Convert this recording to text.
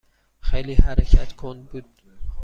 خیلی حرکت کند بود.